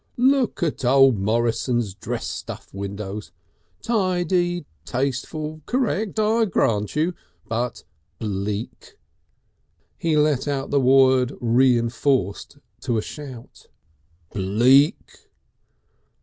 "Look at old Morrison's dress stuff windows! Tidy, tasteful, correct, I grant you, but Bleak!" He let out the word reinforced to a shout; "Bleak!"